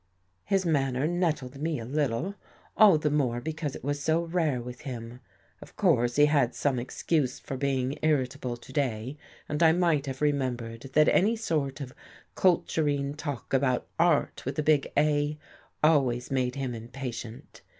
His manner nettled me a little; all the more be cause it was so rare with him. Of course he had some excuse for being irritable to day and I might have remembered that any sort of culturene talk about Art with a big A, always made him impatient.